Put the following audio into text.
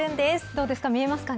どうですか、見えますか